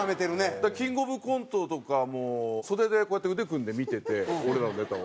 だからキングオブコントとかも袖でこうやって腕組んで見てて俺らのネタを。